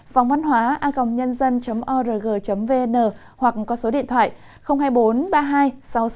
phongvănhóa org vn hoặc có số điện thoại hai mươi bốn ba mươi hai sáu trăm sáu mươi chín năm trăm linh tám